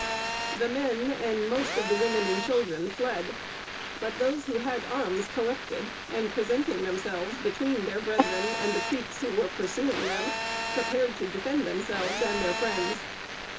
The men and most of the women and children fled; but those who had arms collected, and presenting themselves between their brethren and the Creeks who were pursuing them, prepared to defend themselves and friends.